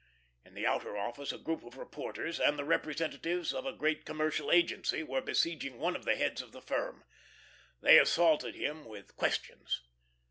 In the outer office a group of reporters and the representatives of a great commercial agency were besieging one of the heads of the firm. They assaulted him with questions.